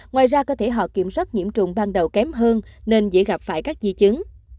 ngoài ra cơ thể họ kiểm soát nhiễm trùng ban đầu kém hơn nên dễ gặp phải các di chứng